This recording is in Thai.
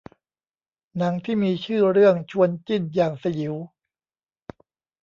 หนังที่มีชื่อเรื่องชวนจิ้นอย่างสยิว